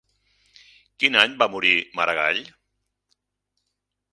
Quin any va morir Maragall?